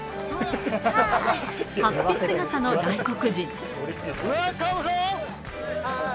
はっぴ姿の外国人。